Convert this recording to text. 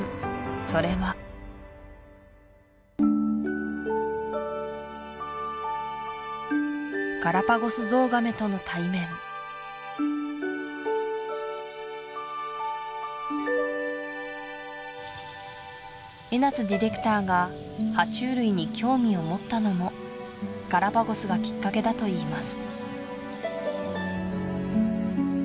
それはガラパゴスゾウガメとの対面江夏ディレクターが爬虫類に興味を持ったのもガラパゴスがきっかけだといいます